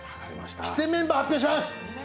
出演メンバー、発表します。